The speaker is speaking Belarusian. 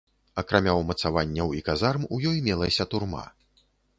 Акрамя ўмацаванняў і казарм у ёй мелася турма.